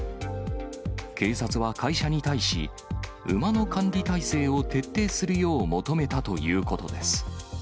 警察は会社に対し、馬の管理体制を徹底するよう求めたということです。